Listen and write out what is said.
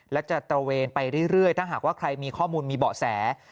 และจะตระเวนไปเรื่อยถ้าหากว่าใครมีข้อมูลมีเบาะแส